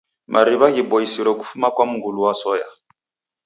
Mariw'a ghiboisiro kufuma kwa mngulu wa soya.